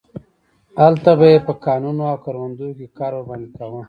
هلته به یې په کانونو او کروندو کې کار ورباندې کاوه.